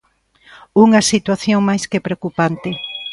Unha situación máis que preocupante.